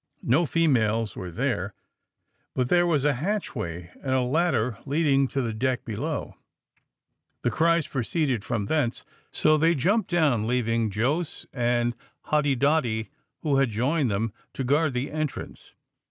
No females were there, but there was a hatchway and a ladder leading to the deck below. The cries proceeded from thence, so they jumped down, leaving Jos and Hoddidoddi, who had joined them, to guard the entrance.